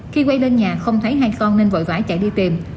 khi quay lên nhà không thấy hai con nên vội vã chạy đi tìm